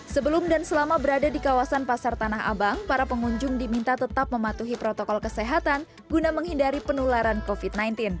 sebelum dan selama berada di kawasan pasar tanah abang para pengunjung diminta tetap mematuhi protokol kesehatan guna menghindari penularan covid sembilan belas